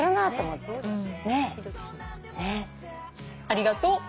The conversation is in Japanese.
ありがとう。